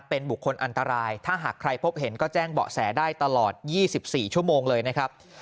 เป็นบุคคลอันตรายถ้าหากใครพบเห็นก็แจ้งเบาะแสได้ตลอด๒๔ชั่วโมงเลยนะครับ